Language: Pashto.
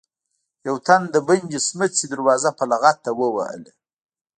يو تن د بندې سمڅې دروازه په لغته ووهله.